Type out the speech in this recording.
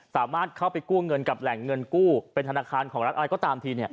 สามารถเข้าไปกู้เงินกับแหล่งเงินกู้เป็นธนาคารของรัฐอะไรก็ตามที